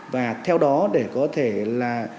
và theo đó để có thể là